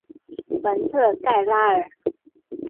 蒙特盖拉尔。